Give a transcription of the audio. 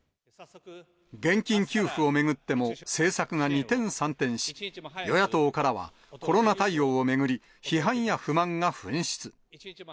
現金給付を巡っても政策が二転三転し、与野党からはコロナ対応を巡り、批判や不満が噴出。